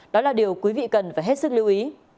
đó là điều quý vị cần phải hết sức lưu ý